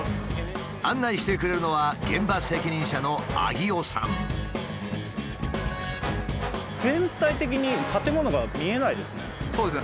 案内してくれるのは全体的に建物が見えないですね。